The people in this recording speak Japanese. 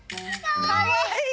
かわいい！